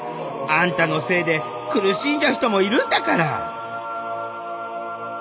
あんたのせいで苦しんじゃう人もいるんだから！